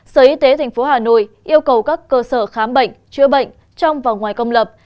sở y tế tp hà nội yêu cầu các cơ sở khám bệnh chữa bệnh trong và ngoài công lập